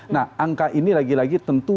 nah angka ini lagi lagi tentu